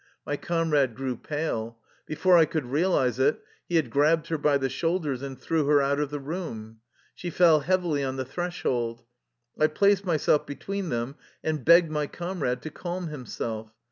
My comrade grew pale. Before I could real ize it, he had grabbed her by the shoulders and threw her out of the room. She fell heavily on the threshold. I placed myself between them and begged my comrade to calm himself.